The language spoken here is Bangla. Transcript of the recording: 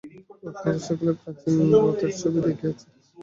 আপনারা সকলেই প্রাচীন রথের ছবি দেখিয়াছেন।